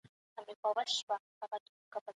جهاد د ایمان د پخوالي او ریښتینولۍ یو پیاوړی ثبوت دی.